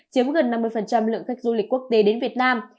chiếm gần năm mươi lượng khách du lịch quốc tế đến việt nam